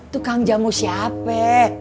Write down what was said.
tukang jamu siapa